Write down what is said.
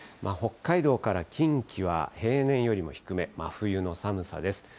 北海道から近畿は平年よりも低め、真冬の寒さです。